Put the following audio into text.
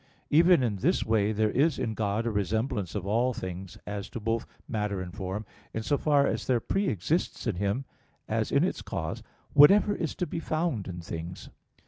Even in this way there is in God a resemblance of all things, as to both matter and form, in so far as there pre exists in Him as in its cause whatever is to be found in things.